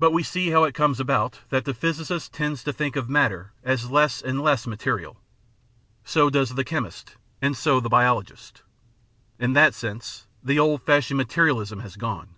But we see how it comes about that the physicist tends to think of "matter" as less and less material. So does the chemist, and so the biologist. In that sense the old fashioned "materialism" has gone.